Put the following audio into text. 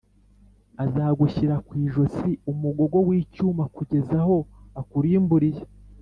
Azagushyira ku ijosi umugogo w’icyuma kugeza aho akurimburiye. “